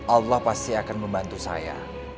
allah pasti akan membantu saya